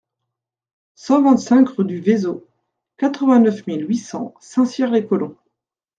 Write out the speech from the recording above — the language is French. cent vingt-cinq rue du Vezeau, quatre-vingt-neuf mille huit cents Saint-Cyr-les-Colons